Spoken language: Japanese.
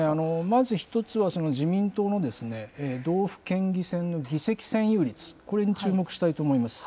まず１つは自民党のですね、道府県議選の議席占有率、これに注目したいと思います。